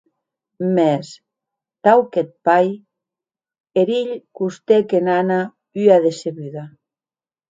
Mès, tau qu'eth pair, eth hilh costèc en Anna ua decebuda.